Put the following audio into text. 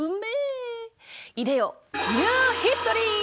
いでよニューヒストリー！